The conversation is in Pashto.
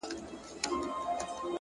پۀ نصيب ئې چې د مينې ستاره شي